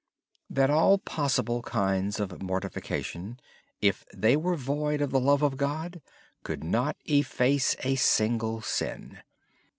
All possible kinds of mortification, if they were void of the love of God, could not efface a single sin.